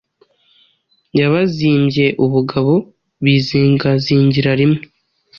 Yabizimbye ubugabo bizingazingira rimwe.